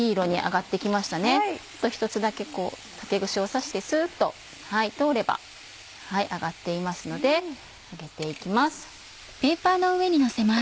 一つだけ竹串を刺してスっと通れば揚がっていますので上げて行きます。